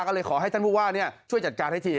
ก็เลยขอให้ท่านผู้ว่าช่วยจัดการให้ที